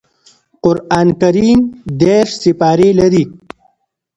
قران کريم دېرش سپاري لري